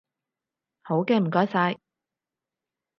好嘅，唔該晒